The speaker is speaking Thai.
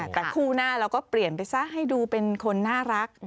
แต่คู่หน้าเราก็เปลี่ยนไปซะให้ดูเป็นคนน่ารัก